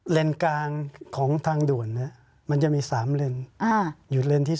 กลางของทางด่วนมันจะมี๓เลนหยุดเลนที่๒